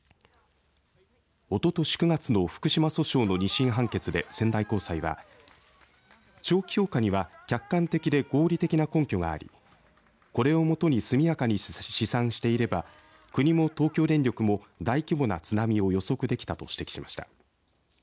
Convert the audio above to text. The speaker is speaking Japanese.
おととし９月の福島訴訟の２審判決で仙台高裁は長期評価には客観的で合理的な根拠がありこれをもとに速やかに試算していれば国も東京電力も大規模な津波を予測できたと指摘しました。